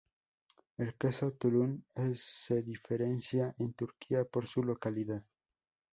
El queso tulum se diferencia en Turquía por su localidad.